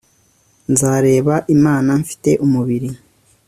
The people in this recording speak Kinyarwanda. Nzareba Imana mfite umubiri